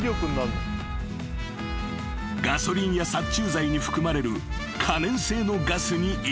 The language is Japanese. ［ガソリンや殺虫剤に含まれる可燃性のガスに引火し］